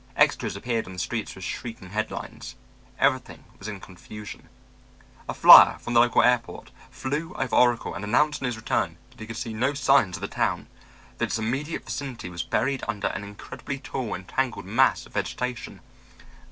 Extras appeared on the streets with shrieking headlines. Everything was in confusion. A flyer from the local airport flew over Oracle and announced on his return that he could see no signs of the town, that its immediate vicinity was buried under an incredibly tall and tangled mass of vegetation.